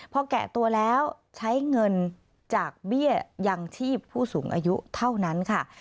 พอแกะตัวแล้วใช้เงินจากเบี้ยยังชีพผู้สูงอายุเท่านั้นค่ะ